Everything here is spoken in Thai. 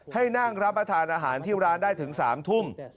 ให้นั่งรับประทานอาหารที่ร้านได้ถึง๓ทุ่ม